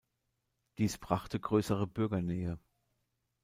Dies brachte größere Bürgernähe.